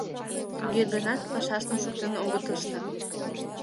Туге гынат пашаштым шуктен огыт ыште.